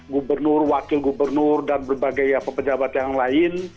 gubernur wakil gubernur dan berbagai pejabat yang lain